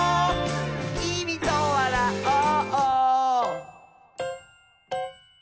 きみとわらおう！」